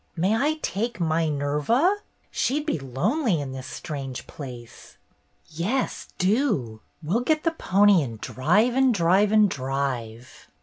"May I take My Nerva? She'd be lonely in this strange place." "Yes, do. We'll get the pony and drive and drive and drive!"